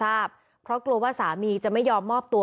แม่ก็จะหาที่มา